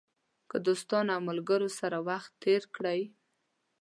که دوستانو او ملګرو سره وخت تېر کړئ.